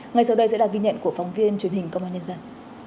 ngay sau đây sẽ là ghi nhận của phóng viên truyền hình công an nhân dân